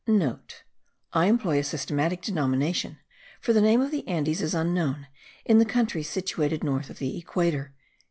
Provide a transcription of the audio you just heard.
(* I employ a systematic denomination, for the name of the Andes is unknown in the countries situated north of the equator.)